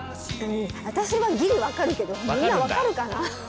私はギリ分かるけどみんな分かるかな？